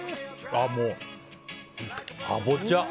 もう、カボチャ。